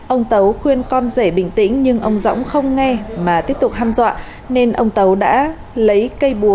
ông tấu khuyên con rể bình tĩnh nhưng ông dõng không nghe mà tiếp tục ham dọa nên ông tấu đã lấy cây búa